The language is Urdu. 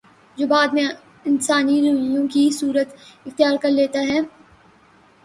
جو بعد میں انسانی رویوں کی صورت اختیار کر لیتا ہے